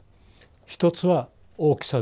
一つは大きさです。